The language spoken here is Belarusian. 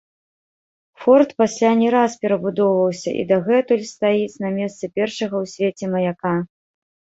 Форт пасля не раз перабудоўваўся і дагэтуль стаіць на месцы першага ў свеце маяка.